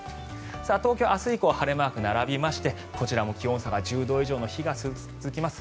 東京、明日以降は晴れマークが並びましてこちらも気温差が１０度以上の日が続きます。